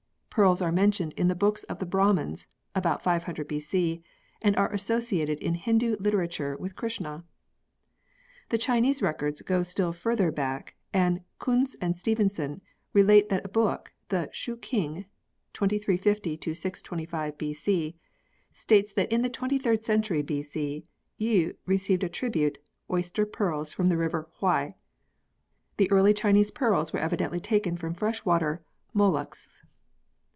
Pearls are mentioned in the books of the Brahmans (about 500 B.C.) and are associated in Hindu literature with Krishna. The Chinese records go still further back and Kunz and Stevenson relate that a book, the Shu King (2350 625 B.C.), states that in the 23rd century B.C. Yii received as tribute, oyster pearls from the river Hwai. The early Chinese pearls were evidently taken from fresh water molluscs.